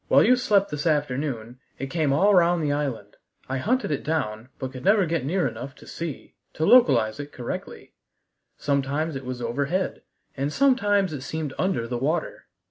"While you slept this afternoon it came all round the island. I hunted it down, but could never get near enough to see to localize it correctly. Sometimes it was overhead, and sometimes it seemed under the water.